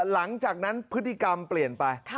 หลังจากนั้นพฤติกรรมเปลี่ยนไป